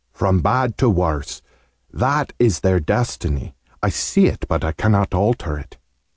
"From bad to worse! That is their destiny. I see it, but I cannot alter it.